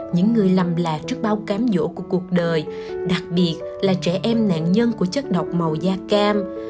những người lầm lạc trước bao cám dỗ của cuộc đời đặc biệt là trẻ em nạn nhân của chất độc màu da cam